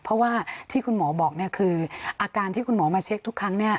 เพราะว่าที่คุณหมอบอกคืออาการที่คุณหมอมาเช็คทุกครั้ง